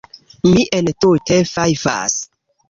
Mi entute fajfas.